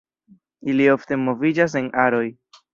Ili ofte moviĝas en aroj.